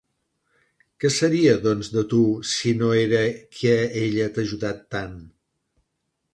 Què seria, doncs, de tu si no era que ella t'ha ajudat tant?